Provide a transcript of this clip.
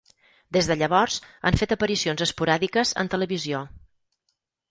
Des de llavors han fet aparicions esporàdiques en televisió.